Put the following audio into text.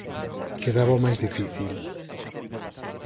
Quedaba o máis difícil.